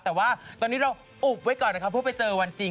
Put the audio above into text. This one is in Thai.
แต่ว่าตอนนี้เราอุบไว้ก่อนนะครับเพราะไปเจอวันจริง